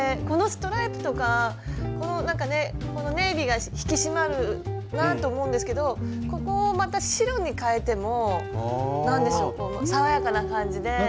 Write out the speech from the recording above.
このストライプとかこのなんかねこのネービーが引き締まるなと思うんですけどここをまた白にかえても何でしょう爽やかな感じで。